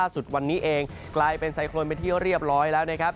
สุดวันนี้เองกลายเป็นไซโครนไปที่เรียบร้อยแล้วนะครับ